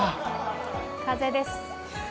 風です。